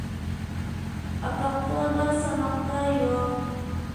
ئاتاقتا بار، ساناقتا يوق.